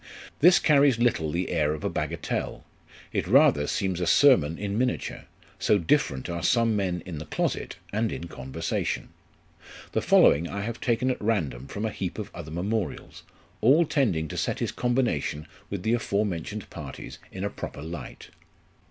This carries little the air of a bagatelle; it rather seems a sermon in miniature, so different are some men in the closet and in conversation. The following I have taken at random from a heap of other memorials, all tending to set his combination with the afore mentioned parties in a proper light.